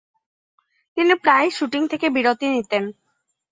তিনি প্রায়ই শুটিং থেকে বিরতি নিতেন।